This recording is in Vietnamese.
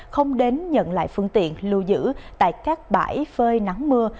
không đến nhận lại phương tiện lưu giữ tại các bãi phơi nắng mưa